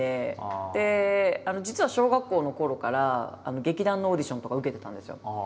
実は小学校のころから劇団のオーディションとか受けてたんですよ。